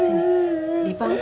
saat ini chu jatuh